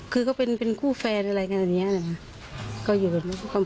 คือเขาเป็นคู่แฟนอะไรอย่างเงี้ยนะ